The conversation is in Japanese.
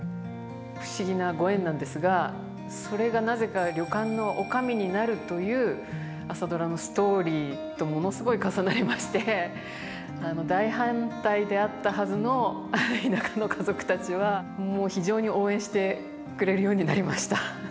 不思議なご縁なんですがそれがなぜか旅館の女将になるという「朝ドラ」のストーリーとものすごい重なりまして大反対であったはずの田舎の家族たちはもう非常に応援してくれるようになりました。